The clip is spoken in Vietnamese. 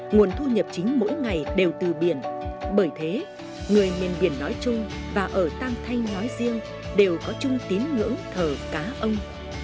nguồn thu nhập chính mỗi ngày đều từ biển bởi thế người miền biển nói chung và ở tam thanh nói riêng đều có chung tín ngưỡng thờ cá ông